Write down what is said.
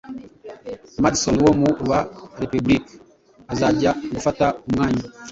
Madison wo mu ba Repubulikani azajya gufata umwanya